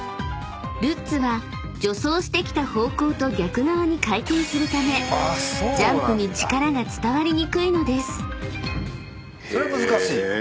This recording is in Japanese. ［ルッツは助走してきた方向と逆側に回転するためジャンプに力が伝わりにくいのです］